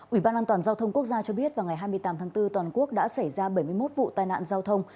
ủy ban an toàn giao thông quốc gia cho biết vào ngày hai mươi tám tháng bốn toàn quốc đã xảy ra bảy mươi một vụ tai nạn giao thông